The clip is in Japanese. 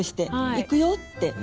「行くよ」って。